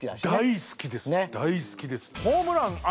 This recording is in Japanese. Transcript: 大好きです！